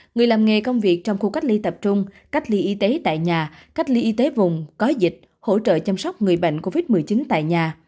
người làm nghề công việc trong khu cách ly tập trung cách ly y tế tại nhà cách ly y tế vùng có dịch hỗ trợ chăm sóc người bệnh covid một mươi chín tại nhà